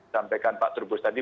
sampaikan pak terbus tadi